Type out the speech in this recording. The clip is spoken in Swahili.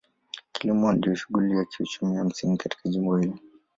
Kilimo ndio shughuli ya kiuchumi ya msingi katika jimbo hili.